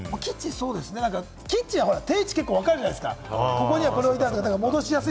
キッチンは定位置、結構わかるじゃないですか。